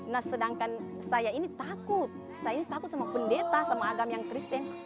nah sedangkan saya ini takut saya ini takut sama pendeta sama agama yang kristen